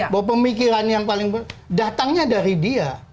bahwa pemikiran yang paling datangnya dari dia